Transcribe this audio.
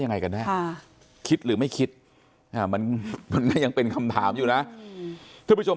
ยังไงกันแน่คิดหรือไม่คิดมันมันก็ยังเป็นคำถามอยู่นะทุกผู้ชม